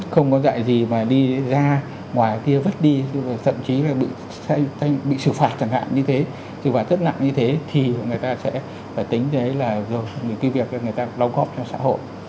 không có dại gì mà đi ra ngoài kia vứt đi thậm chí là bị sự phạt chẳng hạn như thế sự phạt rất nặng như thế thì người ta sẽ phải tính tới là cái việc người ta đóng góp cho xã hội